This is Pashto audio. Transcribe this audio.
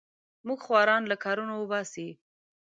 موږ خواران له کارونو وباسې.